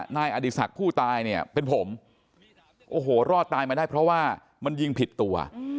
นายอดีศักดิ์ผู้ตายเนี่ยเป็นผมโอ้โหรอดตายมาได้เพราะว่ามันยิงผิดตัว